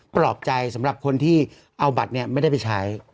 ปลอบใจสำหรับคนที่เอาบัตรไม่ได้ไปใช้